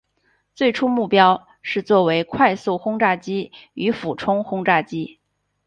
最初目标是作为快速轰炸机与俯冲轰炸机。